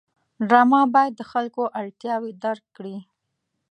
ډرامه باید د خلکو اړتیاوې درک کړي